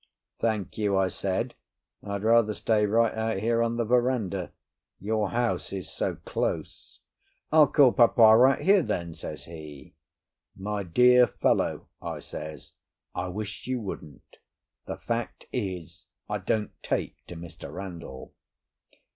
"Thank you," I said, "I'd rather stay right out here on the verandah. Your house is so close." "I'll call Papa out here, then," says he. "My dear fellow," I says, "I wish you wouldn't. The fact is, I don't take to Mr. Randall."